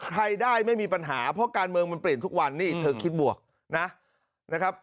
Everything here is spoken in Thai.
ใครได้ไม่มีปัญหาเพราะการเมืองมันเปลี่ยนทุกวันนี่เธอคิดบวกนะครับ